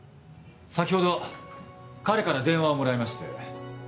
先ほど彼から電話をもらいまして。